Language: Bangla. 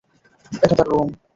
এটা তার রুম।